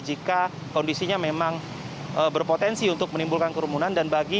jika kondisinya memang berpotensi untuk menimbulkan kerumunan